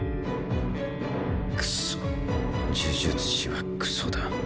呪術師はクソだ。